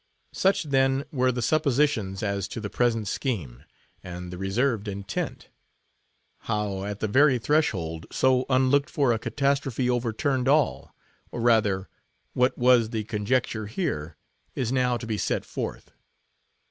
Such, then, were the suppositions as to the present scheme, and the reserved intent. How, at the very threshold, so unlooked for a catastrophe overturned all, or rather, what was the conjecture here, is now to be set forth.